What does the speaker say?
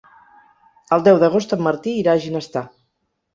El deu d'agost en Martí irà a Ginestar.